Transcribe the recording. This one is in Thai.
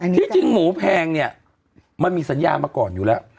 ที่จริงหมูแพงเนี่ยมันมีสัญญามาก่อนอยู่แล้ว